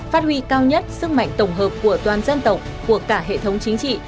phát huy cao nhất sức mạnh tổng hợp của toàn dân tộc của cả hệ thống chính trị